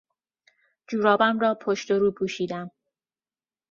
جورابم را پشت و رو پوشیدم.